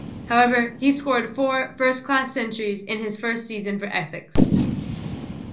However, he scored four first-class centuries in his first season for Essex.